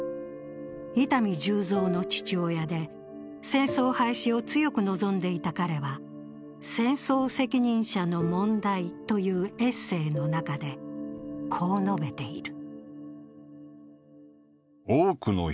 伊丹十三の父親で、戦争廃止を強く望んでいた彼は「戦争責任者の問題」というエッセーの中でこう述べている。